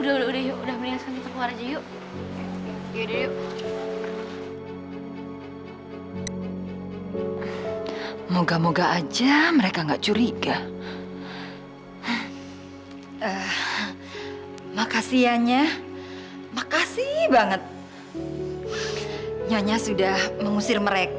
kondisi kamu sekarang sudah membaik